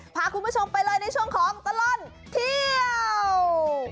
พาคุณผู้ชมไปเลยในช่วงของตลอดเที่ยว